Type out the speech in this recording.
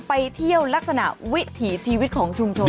ไปเที่ยวลักษณะวิถีชีวิตของชุมชน